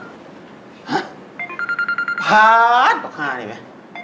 ฮะพลาดกว่าข้าเนี่ยไหม